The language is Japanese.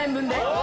お！